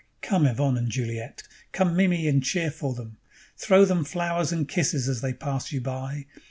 _ "Come, Yvonne and Juliette! Come, Mimi, and cheer for them! Throw them flowers and kisses as they pass you by.